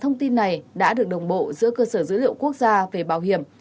thông tin này đã được đồng bộ giữa cơ sở dữ liệu quốc gia về bảo hiểm